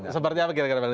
sebarnya apa kita kembali